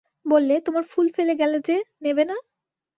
বললে, তোমার ফুল ফেলে গেলে যে, নেবে না?